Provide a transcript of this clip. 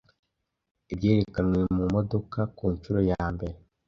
ibyerekanwe mumodoka kunshuro yambere